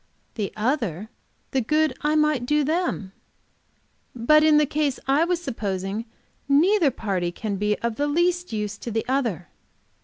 The other the good I might do them." "But in the case I was supposing, neither party can be of the least use to the other."